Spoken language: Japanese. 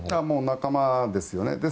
もう仲間ですよね。